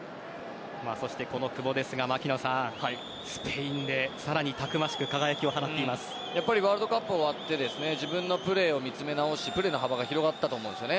この久保ですがスペインでさらにたくましくワールドカップ終わって自分のプレーを見つめ直してプレーの幅が広がったと思うんです。